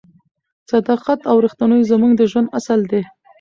صداقت او رښتینولي زموږ د ژوند اصل دی.